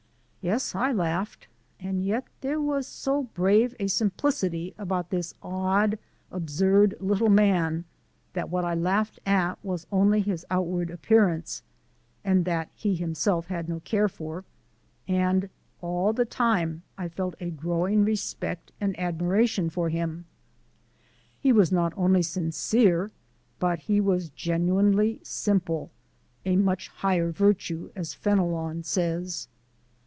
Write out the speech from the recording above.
Yes, I laughed, and yet there was so brave a simplicity about this odd, absurd little man that what I laughed at was only his outward appearance (and that he himself had no care for), and all the time I felt a growing respect and admiration for him. He was not only sincere, but he was genuinely simple a much higher virtue, as Fenelon says.